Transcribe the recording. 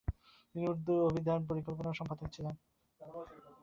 তিনি উর্দু অভিধান প্রকল্পেরও সম্পাদক ছিলেন।